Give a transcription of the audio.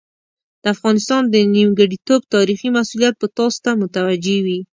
د افغانستان د نیمګړتوب تاریخي مسوولیت به تاسو ته متوجه وي.